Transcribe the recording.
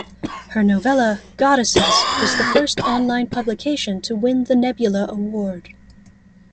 Her novella "Goddesses" was the first online publication to win the Nebula Award.